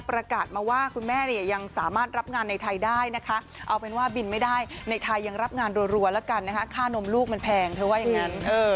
ประกาศมาว่าคุณแม่เนี่ยยังสามารถรับงานในไทยได้นะคะเอาเป็นว่าบินไม่ได้ในไทยยังรับงานรัวแล้วกันนะคะค่านมลูกมันแพงเธอว่าอย่างนั้น